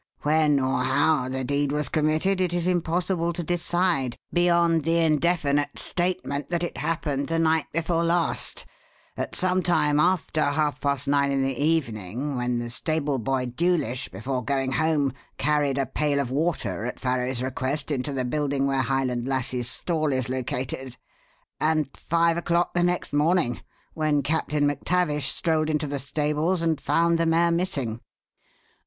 When or how the deed was committed, it is impossible to decide beyond the indefinite statement that it happened the night before last, at some time after half past nine in the evening, when the stable boy, Dewlish, before going home, carried a pail of water at Farrow's request into the building where Highland Lassie's stall is located, and five o'clock the next morning when Captain MacTavish strolled into the stables and found the mare missing."